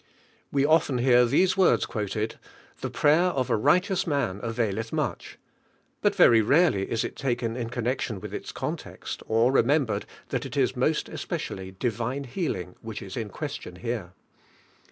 We often hear these words quoted: "The prayer of a righteous man availeih ranch," bul very rarely is it taken in con ic , lien with its context, or remembered that it is inosi especially Divine Beating which is in question here.